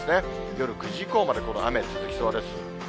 夜９時以降まで、この雨、続きそうです。